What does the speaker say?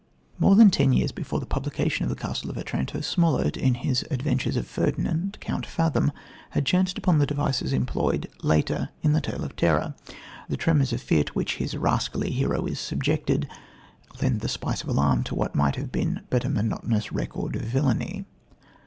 More than ten years before the publication of The Castle of Otranto, Smollett, in his Adventures of Ferdinand, Count Fathom, had chanced upon the devices employed later in the tale of terror. The tremors of fear to which his rascally hero is subjected lend the spice of alarm to what might have been but a monotonous record of villainy.